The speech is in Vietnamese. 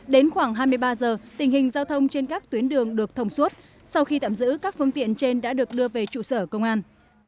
đến khoảng hai mươi ba giờ tình hình giao thông trên các tuyến đường được thông suốt sau khi tạm giữ các phương tiện trên đã được đưa về trụ sở công an